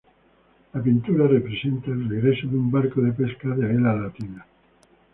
La pintura representa el regreso de un barco de pesca de vela latina.